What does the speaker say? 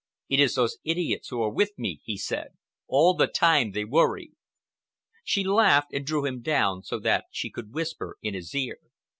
"It is those idiots who are with me," he said. "All the time they worry." She laughed and drew him down so that she could whisper in his ear.